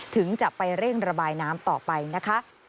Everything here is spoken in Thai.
ถึงจะไปเร่งระบายน้ำต่อไปนะคะ